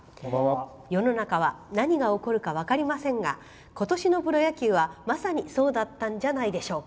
世の中は何が起こるか分かりませんが今年のプロ野球はまさにそうだったんじゃないでしょうか。